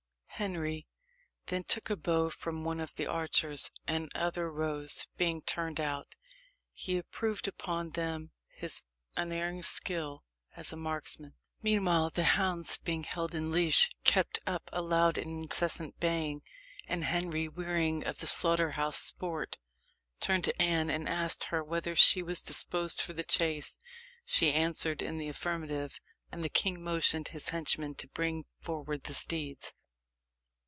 Henry then took a bow from one of the archers, and other roes being turned out, he approved upon them his unerring skill as a marksman. Meanwhile, the hounds, being held in leash, kept up a loud and incessant baying; and Henry, wearying of his slaughterous sport, turned to Anne, and asked her whether she was disposed for the chase. She answered in the affirmative, and the king motioned his henchmen to bring forward the steeds.